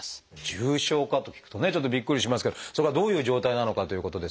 重症化と聞くとねちょっとびっくりしますけどそれがどういう状態なのかということですが。